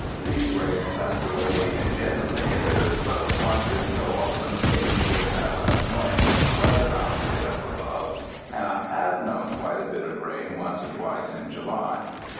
Leastwise, that's the way it gin 'ally is; but once in so often, things gits out of ■joint in the weather outfit up above, and I have known quite a bit of rain once or twice in July.